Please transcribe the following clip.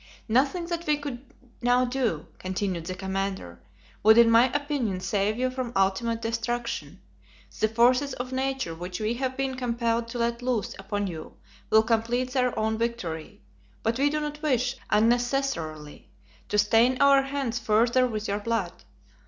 "Nothing that we could now do," continued the commander, "would in my opinion save you from ultimate destruction. The forces of nature which we have been compelled to let loose upon you will complete their own victory. But we do not wish, unnecessarily, to stain our hands further with your blood.